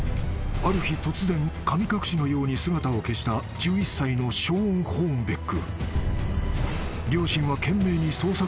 ［ある日突然神隠しのように姿を消した１１歳のショーン・ホーンベック］